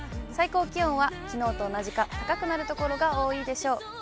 最高気温はきのうと同じか、高くなる所が多いでしょう。